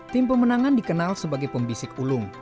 tim pemenangan dikenal sebagai pembisik ulung